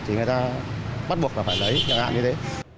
thì người ta bắt buộc là phải lấy nhận ạ như thế